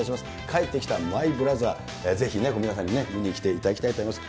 帰ってきたマイ・ブラザー、ぜひ皆さんに見に来ていただきたいと思います。